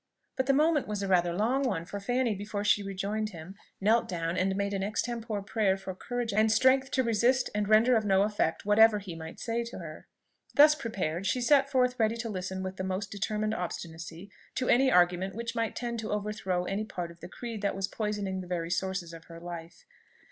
But the moment was rather a long one; for Fanny, before she rejoined him, knelt down and made an extempore prayer for courage and strength to resist and render of no effect whatever he might say to her. Thus prepared, she set forth ready to listen with the most determined obstinacy to any argument which might tend to overthrow any part of the creed that was poisoning the very sources of her life.